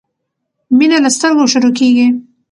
مينه له سترګو شروع کیږی